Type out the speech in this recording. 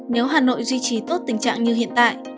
nếu hà nội duy trì tốt tình trạng như hiện tại